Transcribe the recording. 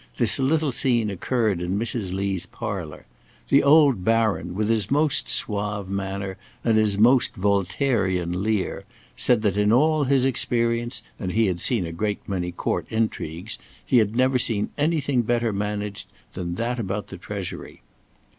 This little scene occurred in Mrs. Lee's parlour. The old Baron, with his most suave manner, and his most Voltairean leer, said that in all his experience, and he had seen a great many court intrigues, he had never seen anything better managed than that about the Treasury.